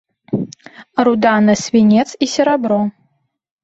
Руда на свінец і серабро.